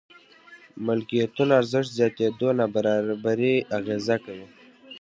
ملکيتونو ارزښت زياتېدو نابرابري اغېزه کوي.